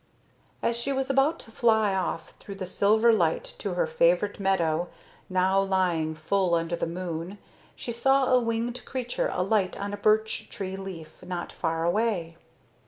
As she was about to fly off through the silver light to her favorite meadow, now lying full under the moon, she saw a winged creature alight on a beech tree leaf not far away.